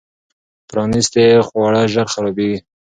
پرانیستي خواړه ژر خرابېږي.